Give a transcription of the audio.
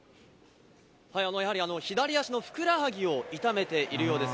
やはり、左足のふくらはぎを痛めているようです。